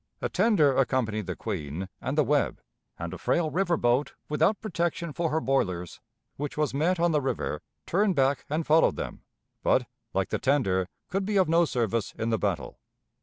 A tender accompanied the Queen and the Webb, and a frail river boat without protection for her boilers, which was met on the river, turned back and followed them, but, like the tender, could be of no service in the battle.